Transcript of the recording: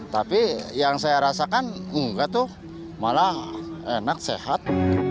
tapi yang saya rasakan enggak tuh malah enak sehat